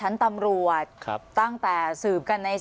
อันดับที่สุดท้าย